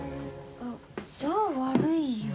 「あっじゃあ悪いよ」